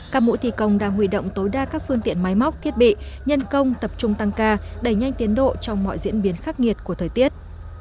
các mũi thi công đang huy động tối đa các phương tiện máy móc thiết bị nhân công tập trung tăng ca đẩy nhanh tiến độ trong mọi diễn biến khắc nghiệt của thời tiết